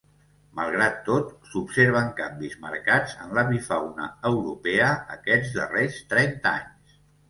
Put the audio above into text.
Malgrat tot, s’observen canvis marcats en l’avifauna europea aquests darrers trenta anys.